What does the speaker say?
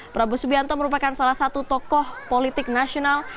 prabowo subianto merupakan salah satu tokoh politik nasional